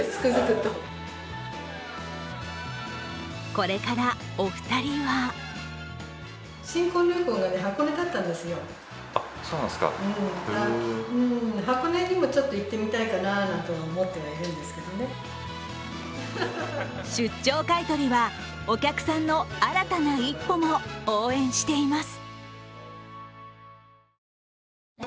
これからお二人は出張買い取りはお客さんの新たな一歩も応援しています。